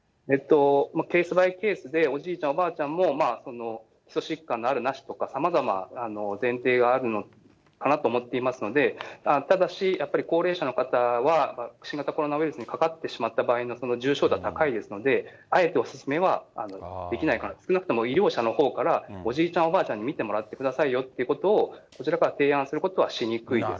ケースバイケースで、おじいちゃん、おばあちゃんも基礎疾患があるなしとか、さまざま前提があるのかなと思っていますので、ただし、やっぱり高齢者の方は、新型コロナウイルスにかかってしまった場合の重症度は高いですので、あえてお勧めはできないかな、少なくとも医療者のほうから、おじいちゃん、おばあちゃんに見てもらってくださいよということを、こちらから提案することはしにくいです。